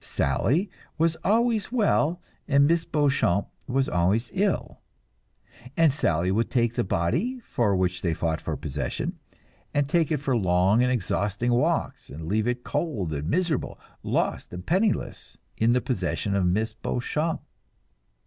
Sally was always well and Miss Beauchamp was always ill, and Sally would take the body, for which they fought for possession, and take it for long and exhausting walks, and leave it cold and miserable, lost and penniless, in the possession of Miss Beauchamp!